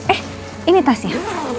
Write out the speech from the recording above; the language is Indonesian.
eh ini tasnya